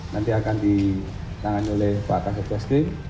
nanti akan ditangani oleh pak akasih kastri